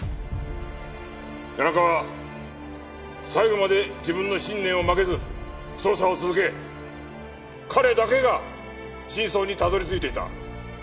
谷中は最後まで自分の信念を曲げず捜査を続け彼だけが真相にたどり着いていた。